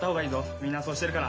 みんなそうしてるから。